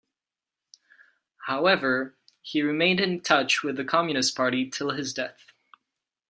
However, he remained in touch with the communist party till his death.